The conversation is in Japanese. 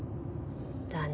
だね。